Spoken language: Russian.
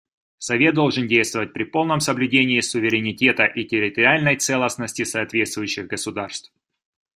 Совет должен действовать при полном соблюдении суверенитета и территориальной целостности соответствующих государств.